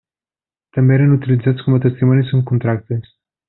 També eren utilitzats com a testimonis en contractes.